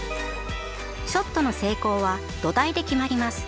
ショットの成功は土台で決まります。